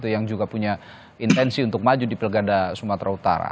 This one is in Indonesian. yang juga punya intensi untuk maju di pilkada sumatera utara